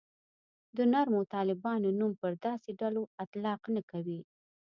د نرمو طالبانو نوم پر داسې ډلو اطلاق نه کړو.